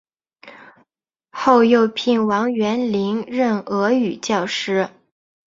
后又聘王元龄任俄语教师。